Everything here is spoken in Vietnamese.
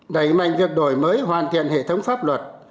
đẩy mạnh việc đổi mới hoàn thiện hệ thống pháp luật